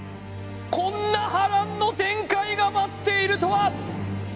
こんな波乱の展開が待っているとは！